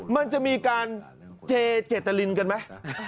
มันจะมีการเจเจตรินกันไหม